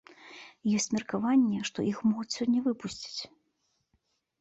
Ёсць меркаванне, што іх могуць сёння выпусціць.